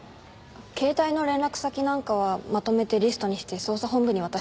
携帯の連絡先なんかはまとめてリストにして捜査本部に渡してあります。